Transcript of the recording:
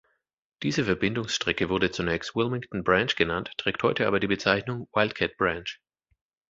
Diese Verbindungsstrecke wurde zunächst Wilmington Branch genannt, trägt heute aber die Bezeichnung "Wildcat Branch".